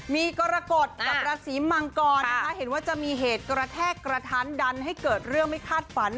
มีกรกฎกับราศีมังกรนะคะเห็นว่าจะมีเหตุกระแทกกระทันดันให้เกิดเรื่องไม่คาดฝัน